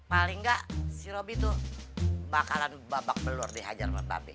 paling enggak si roby tuh bakalan babak belur dihajar sama babe